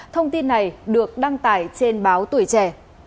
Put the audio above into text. thông tin này được đăng tải trên báo tuổi trẻ